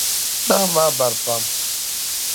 Nahu maa bari pam.